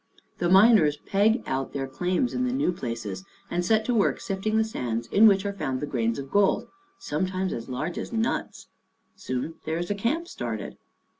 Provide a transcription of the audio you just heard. The miners ' peg out ' their claims in the new places and set to work sifting the sands in which are found the grains of gold, sometimes as large as nuts. Soon there is a camp started.